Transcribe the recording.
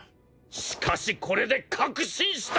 しかしこれで確信した！